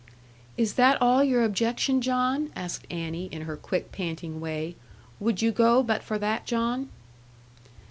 'Is that all your objection, John?' asked Annie, in her quick panting way: 'would you go but for that, John?'